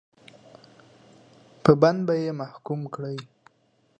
په بند به یې محکوم کړي.